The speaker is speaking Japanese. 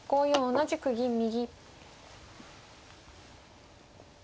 同じく銀右。